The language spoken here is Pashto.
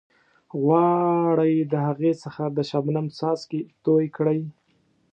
غواړئ د هغې څخه د شبنم څاڅکي توئ کړئ.